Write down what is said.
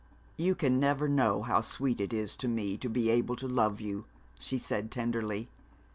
'You can never know how sweet it is to me to be able to love you,' she said tenderly.